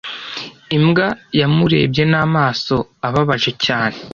Imbwa yamurebye n'amaso ababaje cyane.